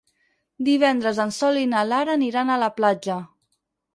Divendres en Sol i na Lara aniran a la platja.